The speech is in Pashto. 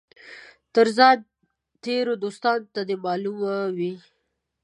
تر ځان تېرو دوستانو ته دي معلومه وي.